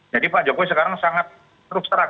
jadi pak jokowi sekarang sangat teruk terang